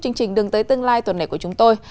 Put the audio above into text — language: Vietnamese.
chương trình đường tới tương lai tuần này của chúng tôi